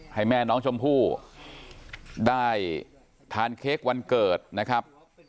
ให้แม่น้องชมพู่ได้ทานเค้กวันเกิดนะครับ